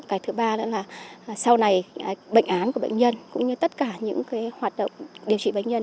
cái thứ ba nữa là sau này bệnh án của bệnh nhân cũng như tất cả những hoạt động điều trị bệnh nhân